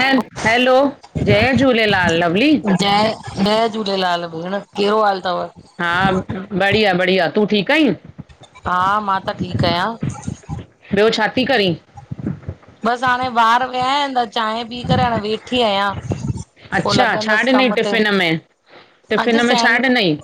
है हैलो, जय झूलेलाल लवली। जय, जय झूलेलाल, भेण कहिड़ो हाल तव? हा बढ़िया बढ़िया तूं ठीक आहीं? हा मां त ठीक आयां। ॿियो छा थी करीं? बसि हाणे ॿार विया आहिन त चांय पी करे हाणे वेठी आयां, पो अच्छा छा लॻंदसि ॾिनई कम ते। टिफ़िन में अॼु टिफ़िन में छा सेंन ॾिनई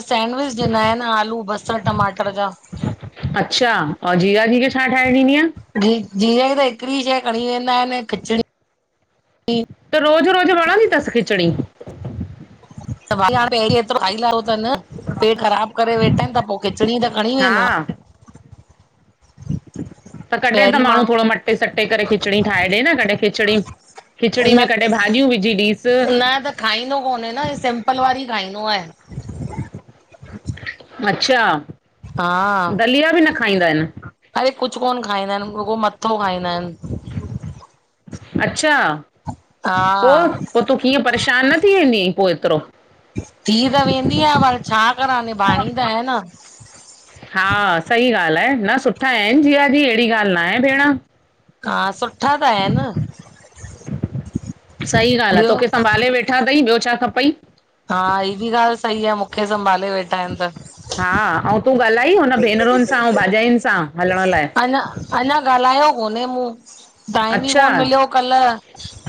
सेंंडविच ॾिना आहिनि आलू बसर टमाटर जा। अच्छा आओं जीजाजी खे छा ठाहे ॾीन्दीअं? जी जीजाजी त हिकिड़ी शह खणी वेंदा आहिनि खिचड़ी। त रोज रोज वणन्दी तस खिचणी? [unintelligible] पेट ख़राब करे वेठा तेखां पो खिचड़ी त खणी हा वेंदा त कॾें त माण्हू थोड़ो मटे सटे करे खिचड़ी ठाहे ॾे न, कॾें खिचड़ी खिचड़ी न में कॾहिं भाॼियूं विझी ॾीस न त खाईंदो कोन्हे न, ही सिम्पल वारी खाईंनो आए अच्छा। हा, दलिया बि न खाईंदा आहिनि अरे कुछ कोन खाईंदा आहिनि रुॻो मत्थो खाईंदा आहिन। अच्छा, पो हा पो तूं कीअं परेशान न थी वेंदी पो एतरो थी त वेंदी यां पर छा करां निभाणी त आहे न हा सही ॻाल्ह आहे, न सुठा आहिनि जीया जी अहिड़ी ॻाल्ह न आहे भेण। हा, सुठा त आहिन। सही ॻाल्ह आ, तोखे संभाले वेठा थई। ॿियो छा खपई? हा ही बि ॻाल्ह सही आ मूंखे संभाले वेठा आहिन त। हा-अऊं तूं ॻाल्हाई हुन भेनरुनि सां ऐं भाजाइयुनि सां, हलण लाए? अञा अञा ॻाल्हायो कोनहे मूं, टाइम ई अच्छा कोन मिलियो कल्ह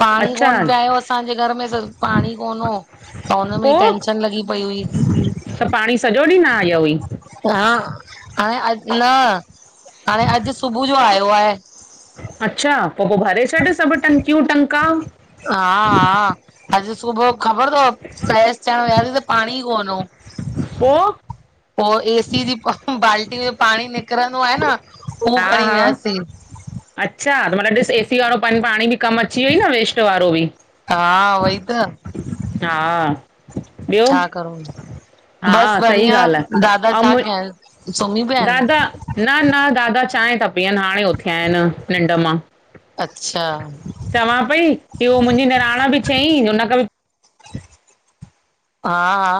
पाणी, अच्छा कोन पे आयो असांजे घर में त पाणी कोन हो त हुनमें ई पोइ टेंशन लॻी पई हुई त पाणी सॼो ॾीं न आयो हुअई? हा, हाणे अ- न, हाणे अॼु सुबुह जो आयो आहे अच्छा, पो पो भरे छॾ सभु टंकियूं टंका हा हा अॼ सुबुह ख़बर थव फ्रेश थियण विया सीं त पाणी ई कोन हो। पो? पो, ए सी जी बाल्टी में पाणी निकरंदो आहे न हू हा खणी हा वियासीं। अच्छा त मतलब ॾिस ए सी वारो पन् पाणी बि कमु अची वई न वेस्ट वारो बि हा, उवई त हा ॿियो छा करूं? हा बस सही ॻाल्हि बढ़ियां दादा आहे ऐं छा मु कय सुमि पिया आएन? दादा न न दादा चांयं था पीअन, हाणे उथिया आहिन निंड मां अच्छा चवां पई कि उहो मुंहिंजी निराण बि चयईं हुन खां बि हा हा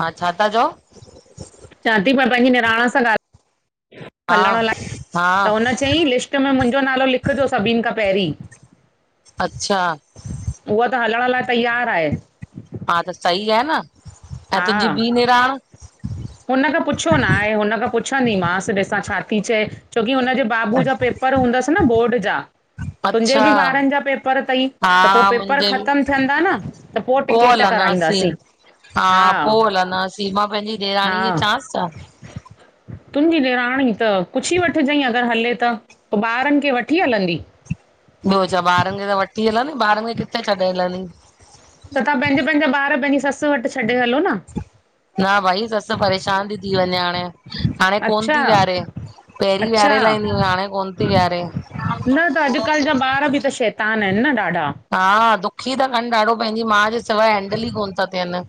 हा, छा था चओ? चां ती मां पैंजी निणान सां हा ॻाल -हलण लाए- हा त हुन चईं लिस्ट मां मुंजो नालो लिखजो सभिन खां पहिरीं अच्छा उहा त हलण लाए तैयार आए। हा त सई आहे न ऐं हा तुंहिंजी ॿी निणान? हुन खां पुछो न आहे, हुन खां पुछंदीमास ॾिसां छा थी चए छोकी हुनजे बाबू जा पेपर हूंदस न बोर्ड जा तुंजे अच्छा बि ॿारन जा पेपर तई हा त पो पेपर मुंहिंजे ख़तम थियंदा न त पो टिकेट कराईंदासी हा पो हलंदासी, मां पंहिंजी ॾेराणी खे चांस छा? तुंजी ॾेराणी त पुछी वठजंइ अगर हले त, पो ॿारन खे वठी हलंदी? ॿियो छा ॿारन खे त वठ्ठी हलंदी, ॿारन खे किथे छॾे हलंदी? त तां पेंजा पेंजा ॿार पंहिंजी ससु वट छॾे हलो न न भई ससु परेशान ती थी वञे हाणे हाणे कोन अच्छा ती वियारे, पहिरीं अच्छा वियारे लाइंदी हुई हाणे कोन ती वियारे न त अॼुकल्ह जा ॿार बि त शैतान आहिन, न ॾाढा। हा, दुखी ता कनि ॾाढो पंहिंजी माँ जे सिवाय हैंडल ई कोन था थियनि।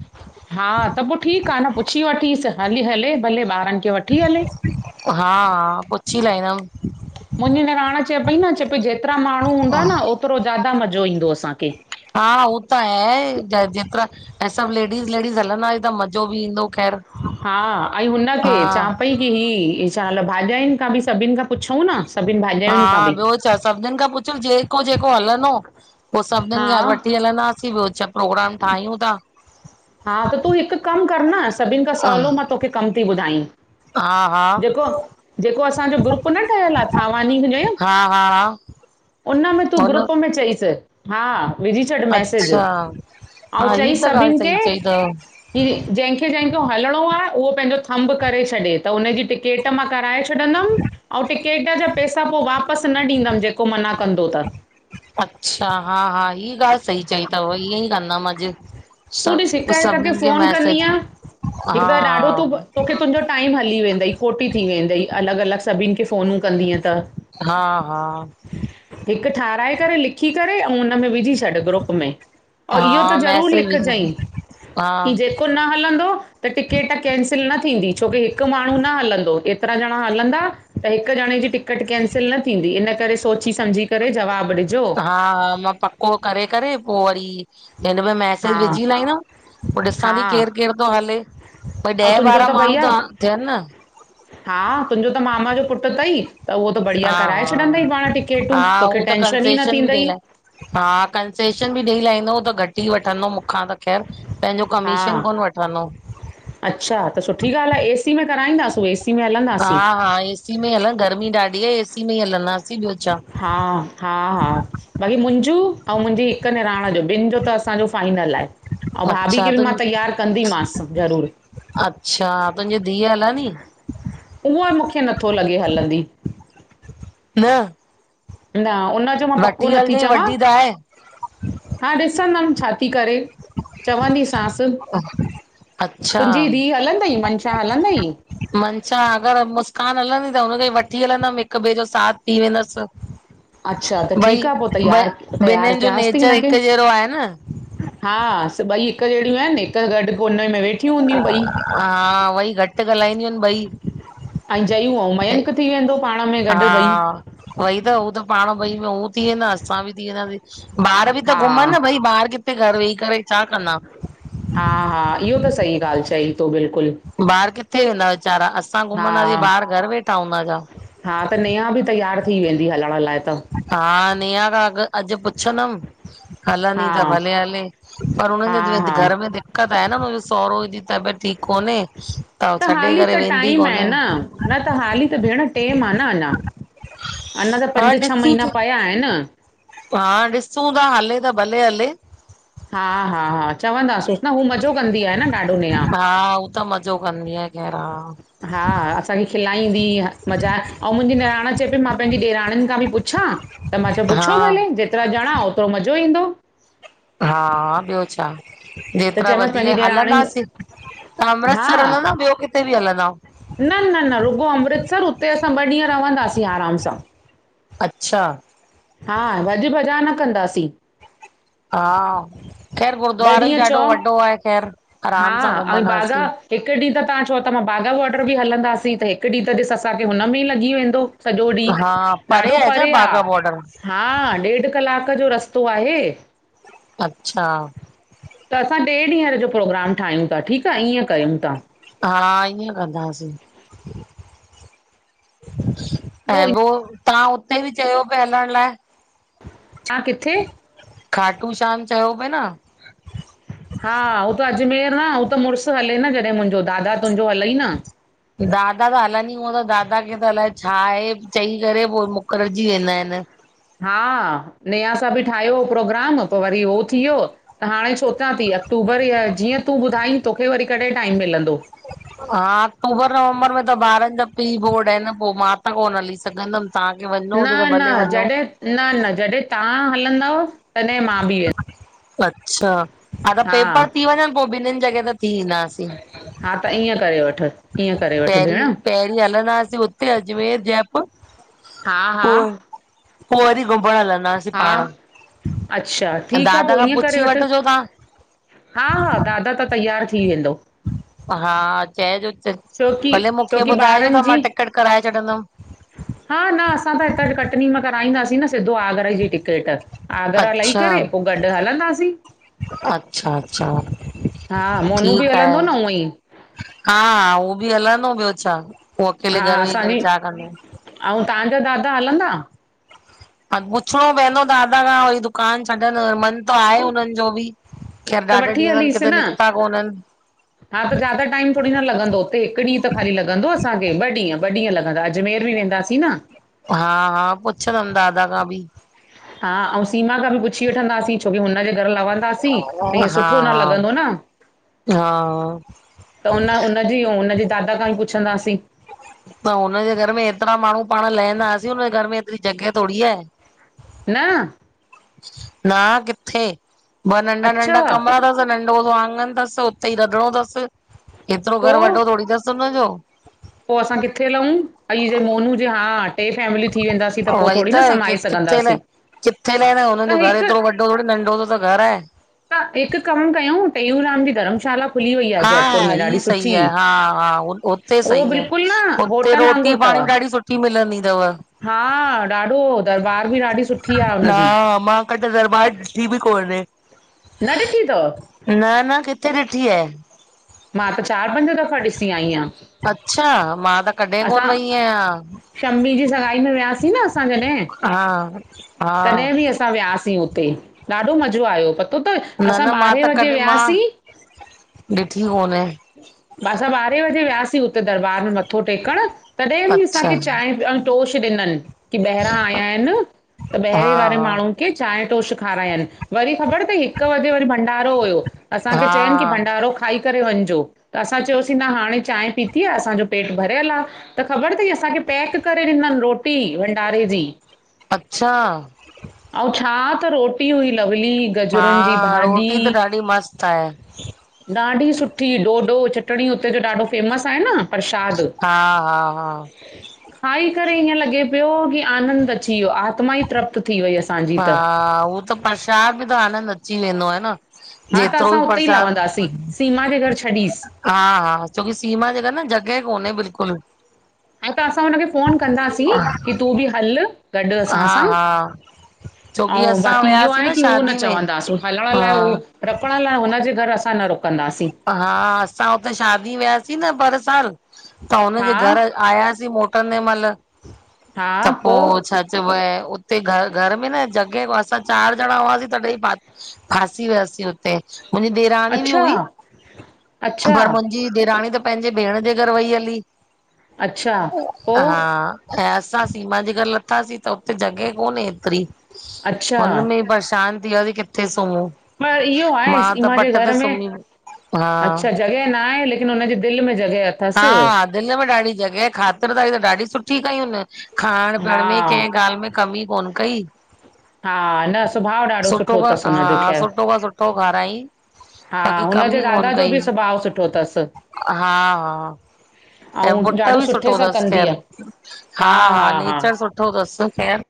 हा, त पो ठीक आ न पुछी वठीस हली हले भले ॿारनि खे वठी हले। हा, हा पुछी लहींदम। मुंहिंॼी निराण चए पई न, चए पई ॼेतिरा माण्हू हूंदा न ओतरो ज्यादा मज़ो ईंदो असांखे। हा हो त आहे, चाहे ॼेतिरा ऐं सभ लेॾीज़ लेॾीज़ हलंदास त मज़ो बि ईंदो ख़ैर। हा, अईं हुनखे हा चां पई की ही साल भाॼाइनि खां ॿि सभिन खां पुछऊं ना? हा ॿियो छा सभिननि खां पुछयमि जेको, जेको हलंदो। पो सभिनीनि खे हा वठी हलंदासीं ॿियो छा, प्रोग्राम ठाहियूं था। हा त तूं हिकु कमु कर न सभिनि खां सवलो मां तोखे कम थी ॿुधाई। हा, हा, जेको, जेको असांजो ग्रुप न ठहियलु आ थावानी ॼे हा हा उन में तु हुन ॻुप में चईस हा, विॼी छॾ मैसेॼ। अच्छा आउ चई सभिनि खे छा कि ॼहिंखे ॼहिखे हलणो आहे, उहो पंहिंजो थम्भ करे छॾे, त हुनजी टिकेट मां कराए छ छॾंदुमि। अंउं टिकेट जा पैसा पो वापसि न ॾींदमि, जेको मना कंदो त। अच्छा, हा, हा, ईह ॻाल्हि सही चई अथव ईअं ई कंदमि अॼु। तूं ॾिस हिक सभ हिक खे सभिनीनि फोन मैसेज कंदीअ, हिक हा त ॾाढो तूं तोखे, तुंहिंजो टाइम हली वेंदई, खोटी थी वेंदई, अलॻ अलॻ सभिनि खे फ़ोन कंदीअ त हा, हा हिक ठाराए करे, लिखी करे, अऊँ हुन में विझी छॾ ग्रुप में और इहो त हा ज़रूर मैसेज विझ लिखजईं, हा कि जे को न हलंदो त टिकिट कैंसिल न थींदी, छोकी हिकु माण्हू न हलंदो एतिरा ॼणा हलंदा त हिकु ॼणे जी टिकट कैंसिल न थींदी, इन करे सोची समझी करे जवाबु ॾिजो। हा हा, मां पको करे, करे पो वरी हिन मे मैसेज हा विझी लाईदम, पो ॾिसां हा थी केर, केर थो हले। पर ऐं ॾह तुंहिंजो ॿारा त माण्हू भैया त थियनि न हा, तुंहिंजो त मामा जो पुट थई। त उहो त बढ़िया हा कराए हा छॾदई पाण टिकेटूं, हा हू तोखे त टेंशन ई न कंसेशन बि ॾेई थींदई। लाइ हा, कंसेशन ॿि ॾेई लााईंदो उहो त घटि ई वठंदो मूंखां त ख़ैर पंहिंजो हा कमीशन कोन वठंदो। अच्छा, त सुठी ॻाल्हि आहे एसी में कराईंदासुं ए सी में हलंदासीं हा, हा, एसी में हि हलन गर्मी ॾाढी ए एसी में ई हलंदासीं ॿियो छा हा, हा, हा भई मुंहिंॼो आऊँ मुंहिंॼी हिक निणाण जो ॿिनि ॼो त असांॼो फाइनल आहे। अंऊँ भाभी अच्छा खे बि तु मां तैयार कंदीमासि ज़रूर अच्छा, तुहिंॼी धीअ हलंदी? उहो मुखे नथो लॻे हलंदी न न, उनजो मां पको वठी नथी हलजांइ चवां वॾी त आहे हा, ॾिसंदम छा थी करे चवंदीसांस अच्छा तुंहिंॼी धीअ हलंदई, मंशा हलंदई? मंशा अगर मुस्कान हलंदी त हुनखे भी वठी हलंदम हिकु ॿै जो साथ थी वेंदस अच्छा त ॿई, ठीकु आहे पोइ ॿ तयारु तयारु ॿिन्हिनि जो कयांसि थी नेचर हिनखे हिकु ॼहिड़ो आहे न। हा, ॿई हिकु ॼेड़ियूं आहिनि हिकु गॾु हुन हा ॿई घटि ॻाल्हाईंदियूं आहिनि ॿई अंई जयूं अंऊँ मयंक थी वेंदो पाण में गॾु ॿई उअई त हू त पाण ॿई में हू थी वेंदा असां बि थी वेंदासी ॿार बि त हा घुमनि न भई ॿार किथे घरु वेही करे छा कंदा? हा, हा इहो त सही ॻाल्हि चई तो बिल्कुलु ॿार किथे वेंदा वेचारा, असां घुमंदासीं, ॿार घर वेठा हूंदा छा? हां, त नेहा बि तैयार थी वेंदी हलण लाइ त। हा, नेहा खां अॻु अॼु पुछदमि हलंनि हा त भले हले, पर हा हुननि जे हा घरु में दि दिक्क़त आहे न, हुनजो सौहुरो जी तबियत ठीकु कोन्हे हू त छॾे हाली त करे वेंदी टाइम आहे कोन्हे न न त हाली त भेण टेम आहे न अञा, अञा त हा पंज छह ॾिसूं महीना था पिया आहिनि न हा, ॾिसूं था हले त भले हले। हा हा हा चवंदासूंस, न हू मज़ो कंदी आ न ॾाढो नेहा हा त मज़ो कंदी आहे, खैर हा हा, असांखे खिलाईंदी मज़ा, ऐं मुंहिंजी निणान चए पई मां पंहिंजी ॾेराणुनि खां बि पुछां त मां चयो हा पुछो भले, जेतिरा ॼणा ओतिरो मज़ो ईंदो। हा, ॿियो छा त जेतिरा चयोमांसि वधीक पंहिंजी ॾेराणियुनि हलंदासीं, त अमृतसर हा हलंदव ॿियो किथे बि हलंदव? न न न रुगो अमृतसर, हुते असां ॿ ॾींहं रवंदासीं आराम सां। अच्छा हा, भॼ भॼा न कंदासीं। हा, खैरु ॿ गुरुद्वारो ई ॾींहं ॾाढो चओ वॾो आहे। ख़ैरु हा आराम सां ऐं बाघा घुमंदासीं। हिकु ॾींहुं त तव्हां चओ त मां, बाघा बॉर्डर बि हलंदासीं। त हिकु ॾींहुं त ॾिस असांखे हुन में ई लॻी वेंदो। सॼो ॾींहुं, हा ॾाढो छा परे बाघा आहे। बॉर्डर हा, ॾेढु कलाक जो रस्तो आहे।। अच्छा त, असां टे ॾींहं जो प्रोग्राम ठाहियूं था। ठीकु आहे ईअं कयूं था। हा। ईअं कंदासीं। थोरो ऐं पो, तव्हां उते बि चयो पिया हलण लाइ। हा, किथे? खाटू शाम चयो पए न? हा, हू त अजमेर न, हू त मुड़ुसु हले न जॾहिं मुंहिंजो, दादा तुंहिंजो हलई न। दादा, त हलनि ही कोन था, दादा के त अलाए छा आहे, चई करे पो मुकरिजी वेंदा आहिनि। हा, नेहा सां बि ठाहियो हो प्रोग्राम, पो वरी हो थी वियो त हाणे सोचिया थी, अक्टूबर या जीअं तूं ॿुधाई, तोखे वरी कॾहिं टाइम मिलंदो? हा, अक्टूबर नवंबर में त ॿारनि जा पर बोर्ड आहिनि न पो मां त कोन हली सघंदमि।। तव्हांखे, वञिणो न हुजे त न भले वञो।। जॾहिं न न जॾहिं तव्हां हलंदव, तॾहिं मां बि वें अच्छा, हा त पेपर थी वञनि, पोइ ॿिन्हिनि जॻह ता थी ईंदासीं। हा, त ईअं करे वठ। ईअं करे वठ पहिरीं, भेण पहिरीं हलंदासीं हुते अजमेर जयपुर हा हा पो पो, वरी घुमण हलंदास। हा, अच्छा ठीक आ दादा पो खां इअं करे पुछी वठ। वठिजो तव्हां हा हा दादा त तैयारू थी वेंदो। हा, चइजोस छो की भले छो मूंखे की ॿुधाइजो, ॿारनि त मां जी टिकट कराए छॾंदमि। हा, न असां त हितां कटनी मां कराईंदासीं न सिधो आगर गरा जी टिचेट आगरा लई करे पो गॾु हलंदासीं। अचछा‌‌ हा, मोनू बि आहे हलंदो न ऊअं ई। हा हा उह बि हलंदो ॿियो छा। उहो अकेले हा घर वेही करे असांजी छा कंदो अऊ तहांजा दादा हलंदा? हा पुछणो पवंदो दादा खां वरी दुकान छॾन मन त आहे हुनन जो बि खैर त ॾाढे वठी ॾींहंनि हलीसि खे न त निकता कोनन हा त ज्यादा टाइम थोड़ी न लॻंदो हुते हिकु ॾींहुं त ख़ाली लॻंदो असांखे ॿ ॾींहं ॿ ॾींहं लॻंदा अॾ अजमेर बि वेंदा सी न हा हा, पुछंदम दादा खां बि हा, अऊ सीमा खां बि पुछी वठंदासीं छोकी हुनजे घर लवं दासी त ईंय हा सुठो न हा लगंदो न हा त उन उन [unintelligible] हुन जे दादा खां ई पुछंदासीं। त हुनजे घर में एतरा माण्हू पाण लहंदासीं हुनजे घर में एतरी जॻह थोड़ी आहे। न! न किथे? ब नंढा अच्छा नंढा कमरा न नंढो सो आंगन तस उते ई रंधणो तस एतिरो घर वॾो थोड़ी तस हुनजो। पोइ असां किथे लहूं? अई जे मोनू जे हा टे फैमिली थी वेंदासीं त पो वई थोरी न त समाए किथे न सघंदासीं किथे लेण हुनन त जो घर हिकु एतरो वॾ थोड़ो नंढो सो त घर आहे। त हिकु कम कयउं टेऊूंराम जी धर्मशाला खुली वई आहे हा जयपुर में ॾाढी ई सही सुठी आहे हा हा उते उहो सही आ‌ बिल्कुलु न उते होटल रोटी वांगुरु अथव पाणी बि ॾाढी सुठ ठी मिलंदी तव। हा ॾाढो दरबार बि ॾाढी सुठी आ न हुनजी। [unintelligible] दरबार ॾिठी बि कोन्हे। न ॾिठी तव? न न किथे ॾिठी आए। मां त चार पंज दफ़ा ॾिसी आई आं। अच्छा मां त कॾह कोन वई आहियां। शम्मी जी सगाई में वियासीं न असां जॾहं हा हा तॾह बि अस् सां वियासीं हुते ॾाढो मज़ो आयो पतो तव न असां न मां ॿारहें त बजे कॾहिं मां वियासीं। ॾिठी कोने [unintelligible] सां ॿारहें वजे वियासीं हुते दरबार में मथो टेकण। तॾहिं बि अच्छा असांखे चांए ऐं तोश ॾिनन की ॿाहिरां आया आहिनि। त ॿाहिरे हा वारे हा माण्हून खे चांए तोश खारायन वरी ख़बर तई हिकु वॻे वरी भंडारो हुयो असांखे चयन की हा भंडारो खाई करे वञजो। त असां चयोसीं न हाणे चांय पीती आ, असांजो पेट भरियल आ। त ख़बर तई असांखे पैक करे ॾिनन रोटी भंडारे जी। अच्छा। अऊं छा त रोटी हुई लवली हा गजरुन जी भाॼी रोटी त [unintelligible] ॾाढी सुठी डोडो, चटणी उते जो ॾाढो फेमस आहे न। प्रशाद हा हा हा खाई करे ईअं लॻे पियो की आनंद अची वियो आत्मा ई तृप्त थी वई असांजी त। हा उहो त परशाद मे त आनंद अची वेंदो आ न। हा त जेतिरो असां बि उतेई प्रसाद लहवंदासीं, सीमा जे घर छॾीस। हा हा छोकी सीमा जे घर न जग़ह कोन्हे बिल्कुल। [unintelligible] त असां हुनखे फ़ोन कंदासीं की तूं बि हल। गॾ असां हा सां, हा छोकी अऊ असां बाक़ी इहो वियासीं आहे की उहो न शादी में चवंदासीं हलण लाए। हा उह रुकण लाए, हुनजे घर असां न रुकदासीं। हां, असां हुते शादी में वियासीं न पर साल। त हुन, हा जे घर आयासीं मोटंदे मैहल। त पोइ छा। चऊं, उते घर में न जॻह असां चार ॾणा हुआसीं तॾई। फांसी वियासीं, हुते मुंहिंजी ॾेराणी बि अच्छा हुई। अच्छा पर, मुंहिंजी ॾेराणी त पंहिंजे भेण जे घर वई हली। अच्छा ऊह हां, पोइ हां ऐं, असां सीमा जे घर लथासीं त हुते जॻहि कोने एतिरी। अच्छा उन में, परेशान थी वेयासी किथे सुमम़ पर इहो, आहे सीमा जे घर में। हा अच्छा, जॻह न आहे लेकिन हुनजे दिल में जॻह आहे। हां, दिल में ॾाढी जॻहि ख़ातिर दारी त ॾाढी सुठी कयूं न। खाण पीअण में हा कंहिं ॻाल्हि में कमी कोन कई। हा न सुभाउ ॾाढो सुठो अथसि हुनजो खां, ख़ैरु सुठो खां सुठो खाराई। हा बाक़ी हुनजे कमी़ कोन दादा जो कई, बि सुभाउ सुठो अथसि हा हा। हां, ऐं पुट ॾाढो बि सुठे सुठो सां अथसि। कंदी आहे हा हा नेचर सुठो सुठो अथसि, खैर